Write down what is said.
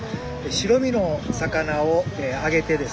白身の魚を揚げてですね